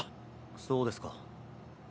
そうですか。